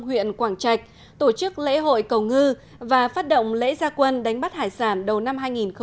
huyện quảng trạch tổ chức lễ hội cầu ngư và phát động lễ gia quân đánh bắt hải sản đầu năm hai nghìn hai mươi